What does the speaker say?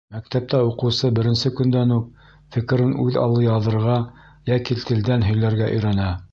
Мәктәптә уҡыусы беренсе көндән үк фекерен үҙ аллы яҙырға йәки телдән һөйләргә өйрәнә.